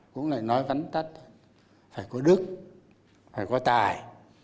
cũng lại nói vắn tắt phải có đức phải có tài